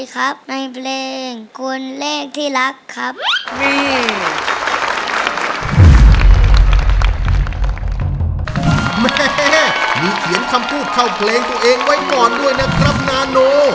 แม่มีเขียนคำพูดเข้าเพลงตัวเองไว้ก่อนด้วยนะครับนาโน